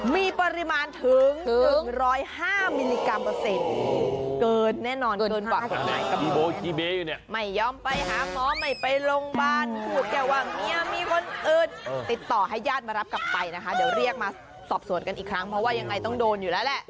มีปริมาณถึง๑๐๕มิลลิกรัมเปอร์เซ็นต์เกินแน่นอนเกินบอกไม่ยอมไปหาหมอไม่ไปลงบ้านขูดแก่ว่ามีคนอื่นติดต่อให้ย่านมารับกลับไปนะคะเดี๋ยวเรียกมาสอบสวนกันอีกครั้งเพราะว่ายังไงต้องโดนอยู่แล้วแหละ